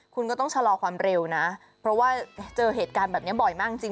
คุณก็ต้องชะลอความเร็วนะเพราะว่าเจอเหตุการณ์แบบนี้บ่อยมากจริง